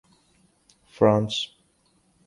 France